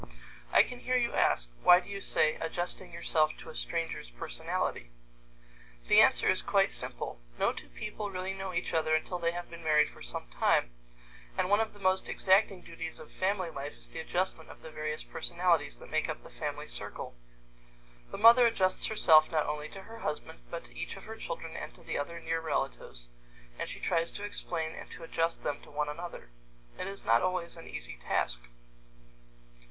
I can hear you ask, "Why do you say, 'adjusting yourself to a stranger's personality'?" The answer is quite simple: no two people really know each other until they have been married for some time, and one of the most exacting duties of family life is the adjustment of the various personalities that make up the family circle. The mother adjusts herself not only to her husband, but to each of her children and to the other near relatives, and she tries to explain and to adjust them to one another. It is not always an easy task.